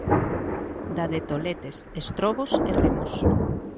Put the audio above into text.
Da de toletes, estrobos e remos.